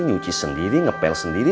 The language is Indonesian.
nyuci sendiri ngepel sendiri